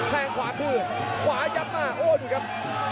แทงขวาคือขวาจับมาโอ้โหถูกครับ